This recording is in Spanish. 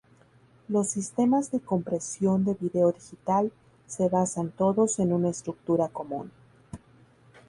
Los sistemas de compresión de vídeo digital se basan todos en una estructura común.